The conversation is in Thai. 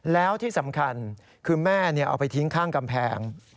แล้วที่สำคัญคือแม่เอาไปทิ้งข้างกำแพง